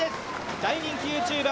大人気ＹｏｕＴｕｂｅｒ